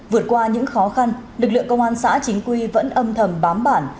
vượt qua những khó khăn lực lượng công an xã chính quy vẫn âm thầm bám bản